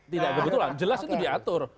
tidak kebetulan jelas itu diatur